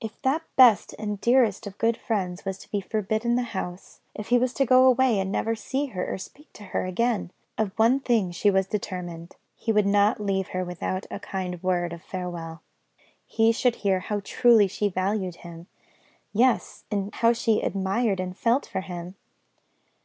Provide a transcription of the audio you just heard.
If that best and dearest of good friends was to be forbidden the house, if he was to go away and never to see her or speak to her again, of one thing she was determined he should not leave her without a kind word of farewell; he should hear how truly she valued him; yes, and how she admired and felt for him!